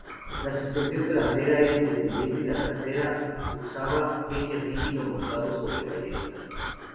La suspensión delantera era independiente y la trasera usaba eje rígido montado sobre ballestas.